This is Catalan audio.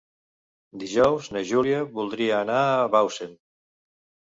Dijous na Júlia voldria anar a Bausen.